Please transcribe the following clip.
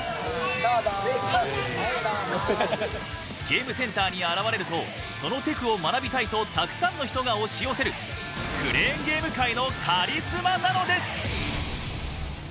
ゲームセンターに現れるとそのテクを学びたいとたくさんの人が押し寄せるクレーンゲーム界のカリスマなのです。